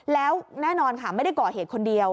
แล้วแน่นอนค่ะไม่ได้ก่อเหตุคนเดียว